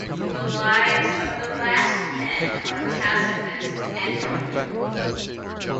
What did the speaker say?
The lives of the last men are pacifist and comfortable.